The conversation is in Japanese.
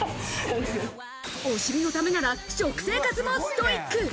お尻のためなら食生活もストイック。